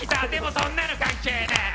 そんなの関係ねえ！